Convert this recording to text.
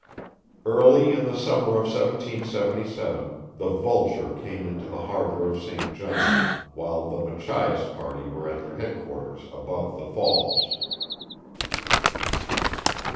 Early in the summer of 1777 the Vulture came into the harbour of Saint John while the Machias party were at their Head Quarters, above the falls.